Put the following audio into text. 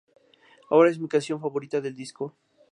Ahora es mi canción favorita del disco.